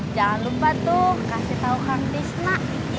jangan lupa tuh kasih tau kang tisna